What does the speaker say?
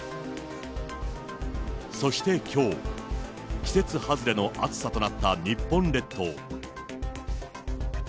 そしてきょう、季節外れの暑さとなった日本列島。